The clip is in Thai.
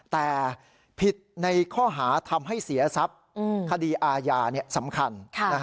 แต่ผิดในข้อหาทำให้เสียทรัพย์คดีอาญาสำคัญ